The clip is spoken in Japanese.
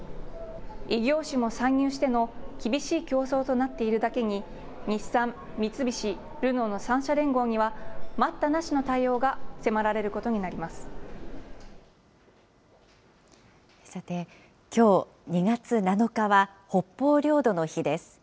異業種も参入しての厳しい競争となっているだけに、日産、三菱、ルノーの３社連合には、待ったなしの対応が迫られることになりまさて、きょう２月７日は、北方領土の日です。